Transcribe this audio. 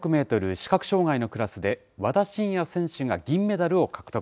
視覚障害のクラスで、和田伸也選手が銀メダルを獲得。